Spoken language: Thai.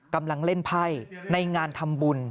กำลังเล่นไพ่ในงานทำบุญ